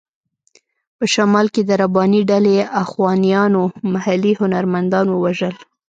په شمال کې د رباني ډلې اخوانیانو محلي هنرمندان ووژل.